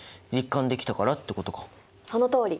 そのとおり！